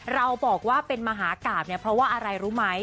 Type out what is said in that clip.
เราบอกว่าเป็นมหากราบเนี่ยเพราะว่าอะไรรู้ไหม